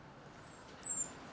え？